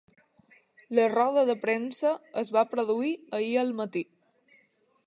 La roda de premsa es va produir ahir al matí.